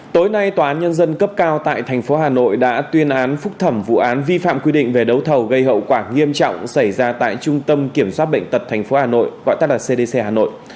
tối nay tòa án nhân dân cấp cao tại thành phố hà nội đã tuyên án phúc thẩm vụ án vi phạm quy định về đấu thầu gây hậu quả nghiêm trọng xảy ra tại trung tâm kiểm soát bệnh tật tp hà nội gọi tắt là cdc hà nội